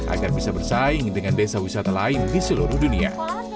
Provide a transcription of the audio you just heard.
agar bisa bersaing dengan desa wisata lain di seluruh dunia